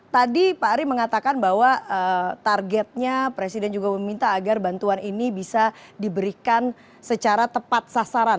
tadi pak ari mengatakan bahwa targetnya presiden juga meminta agar bantuan ini bisa diberikan secara tepat sasaran